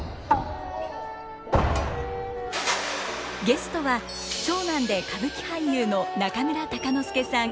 ゲストは長男で歌舞伎俳優の中村鷹之資さん。